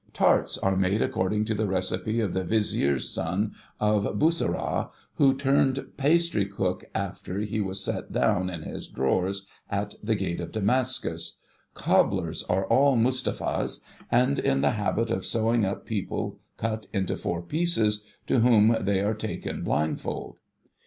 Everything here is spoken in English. Tarts are made, according to the recipe of the Vizier's son of Bussorah, who turned pastrycook after he was set down in his drawers at the gate of Damascus ; cobblers are all Mustaphas, and in the habit of sewing up people cut into four pieces, to whom they are taken blindfold.